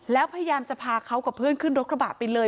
แล้วพยายามจะพาเขากับเพื่อนขึ้นรถกระบะไปเลย